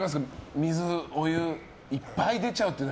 水、お湯いっぱい出ちゃうっていうのは。